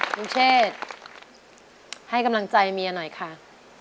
คุณเชษให้กำลังใจเมียหน่อยค่ะ